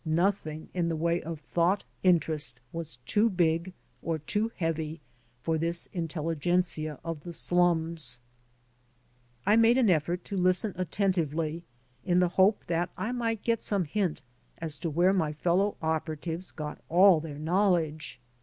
Nothing in the way of thought interest was too big or too heavy for this inteUigenzia of the slums. I made an eflfort to listen attentively in the hope that I might get some hint as to where my fellow operatives got all their knowledge.